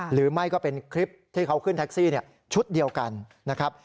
หรือไม่ก็เป็นคลิปที่เขาขึ้นแท็กซี่ชุดเดียวกันนะครับ